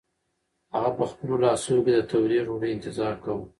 هغه په خپلو لاسو کې د تودې ډوډۍ انتظار کاوه.